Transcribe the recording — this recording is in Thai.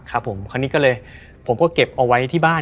ครับผมคราวนี้ก็เลยผมก็เก็บเอาไว้ที่บ้าน